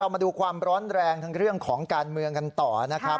มาดูความร้อนแรงทั้งเรื่องของการเมืองกันต่อนะครับ